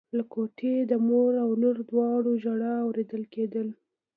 له کوټې د مور او لور دواړو ژړا اورېدل کېدله.